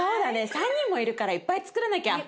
３人もいるからいっぱいつくらなきゃ。